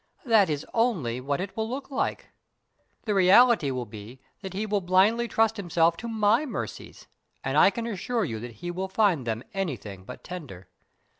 That is only what it will look like. The reality will be that he will blindly trust himself to my mercies and I can assure you that he will find them anything but tender.